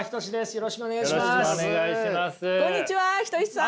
よろしくお願いします。